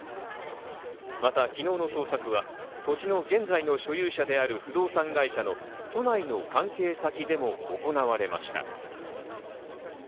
また昨日の捜索は土地の現在の所有者である不動産会社の都内の関係先でも行われました。